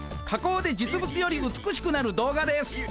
加工で実物より美しくなる動画です。